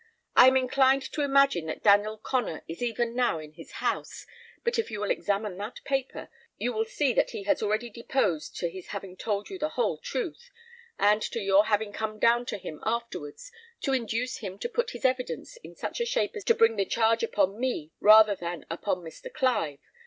I am inclined to imagine that Daniel Connor is even now in this house, but if you will examine that paper, you will see that he has already deposed to his having told you the whole truth, and to your having come down to him afterwards, to induce him to put his evidence in such a shape as to bring the charge upon me rather than upon Mr. Clive.